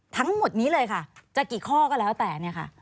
ทั้งหมดนี้เลยค่ะจะกี่ข้อก็แล้วแต่